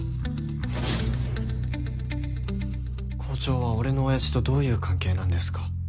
校長は俺の親父とどういう関係なんですか？